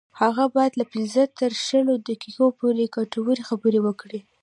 هغه باید له پنځلس تر شلو دقیقو پورې ګټورې خبرې وکړي